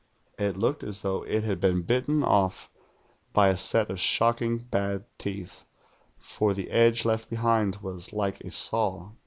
It looked as though it had been bitten off by a set of shocking bad teeth, for the edge left behind was like a saw.